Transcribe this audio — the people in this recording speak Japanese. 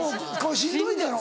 しんどいやろ？